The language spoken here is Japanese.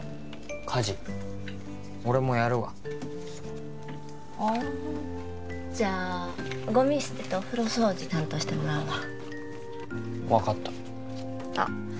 家事俺もやるわああじゃあゴミ捨てとお風呂掃除担当してもらうわ分かったあっ